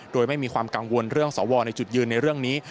โดยไม่มีความกังวลเรื่องสวในจุดยืนในเรื่องนี้